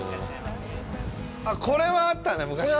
あっ、これはあったね、昔から。